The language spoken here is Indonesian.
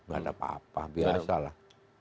gak ada apa apa biasa lah